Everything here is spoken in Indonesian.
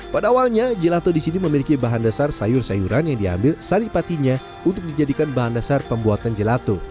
pada awalnya gelato di sini memiliki bahan dasar sayur sayuran yang diambil saripatinya untuk dijadikan bahan dasar pembuatan gelato